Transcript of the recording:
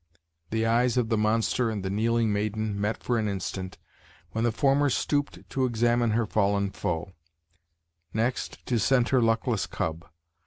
The eyes of the monster and the kneeling maiden met for an instant, when the former stooped to examine her fallen foe; next, to scent her luckless cub.